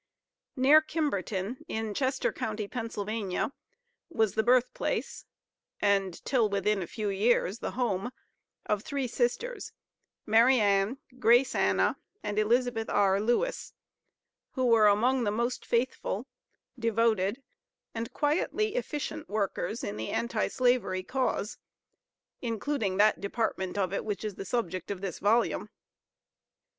Near Kimberton, in Chester county, Pa., was the birth place, and, till within a few years, the home of three sisters, Mariann, Grace Anna and Elizabeth R. Lewis, who were among the most faithful, devoted, and quietly efficient workers in the Anti slavery cause, including that department of it which is the subject of this volume.